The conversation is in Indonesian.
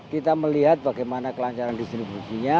kita melihat bagaimana kelancaran distribusinya